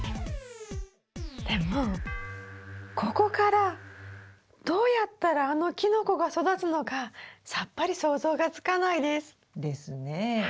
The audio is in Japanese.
でもここからどうやったらあのキノコが育つのかさっぱり想像がつかないです。ですね。